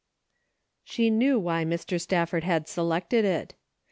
She knew why Mr. Stafford had selected it.